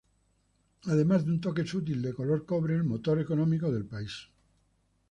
Además de un toque sutil de color cobre, el motor económico del país.